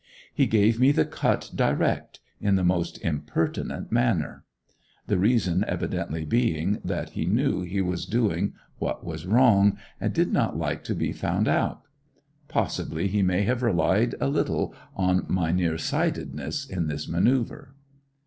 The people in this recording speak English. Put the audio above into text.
He gave me the cut direct, in the most impertinent manner; the reason evidently being that he knew he was doing what was wrong, and did not like to be found out. Possibly he may have relied a little on my near sightedness, in this manœuvre.